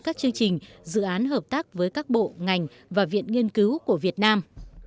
các chương trình dự án hợp tác với các bộ ngành và viện nghiên cứu của việt nam